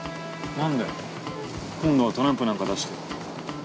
なんだよ今度はトランプなんか出して。